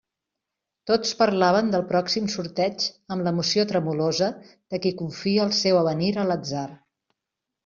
Tots parlaven del pròxim sorteig amb l'emoció tremolosa de qui confia el seu avenir a l'atzar.